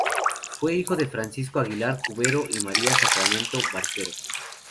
Fue hijo de Francisco Aguilar Cubero y María Sacramento Barquero.